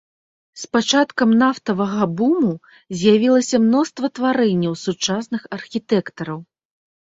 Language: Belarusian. З пачаткам нафтавага буму з'явілася мноства тварэнняў сучасных архітэктараў.